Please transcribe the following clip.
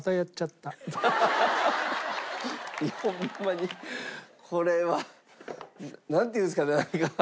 いやホンマにこれは。なんていうんですかねなんか。